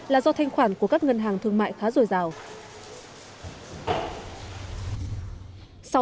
là do thanh khoản của các ngân hàng thương mại khá dồi dào